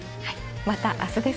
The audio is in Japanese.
またあすです。